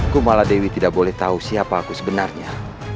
kumala dewi tidak boleh tahu siapa aku sebenarnya